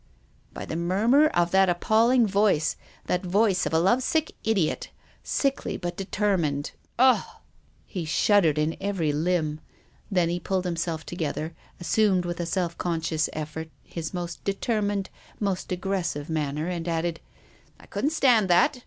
" By the murmur of that appalling voice, that voice of a love sick idiot, sickly but determined. Ugh !" He shuddered in every limb. Then he pulled himself together, assumed, with a self conscious effort, his most determined, most aggressive, man ner, and added :" I couldn't stand that.